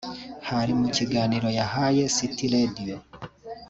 hari mu kiganiro yahaye City Radio